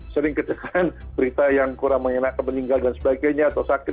sering kejadian berita yang kurang mengenakan meninggal dan sebagainya atau sakit